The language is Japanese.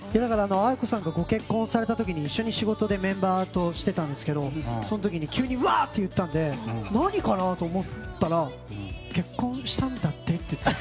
ａｉｋｏさんがご結婚されたとき一緒にメンバーと仕事していたんですけどその時に急にわっ！と言ったので何かと思ったら結婚したんだってって。